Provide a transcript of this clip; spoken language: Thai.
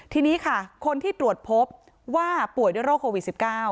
ทีนี้ค่ะคนที่ตรวจพบว่าป่วยด้วยโรคโควิด๑๙